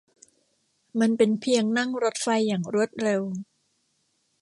มันเป็นเพียงนั่งรถไฟอย่างรวดเร็ว